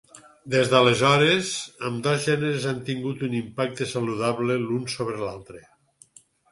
Des d'aleshores, ambdós gèneres han tingut un impacte saludable l'un sobre l'altre.